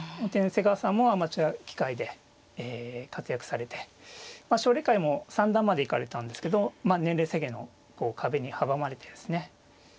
瀬川さんもアマチュア棋界で活躍されて奨励会も三段まで行かれたんですけど年齢制限の壁に阻まれてですね。